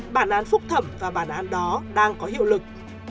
bản án phúc thẩm và bản án đó đang có hiệu lực